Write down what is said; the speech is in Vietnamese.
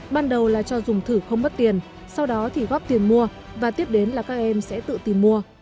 ban đầu là cho dùng thử không mất tiền sau đó thì góp tiền mua và tiếp đến là các em sẽ tự tìm mua